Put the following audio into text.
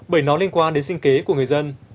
bởi nó liên quan đến sinh kế của người dân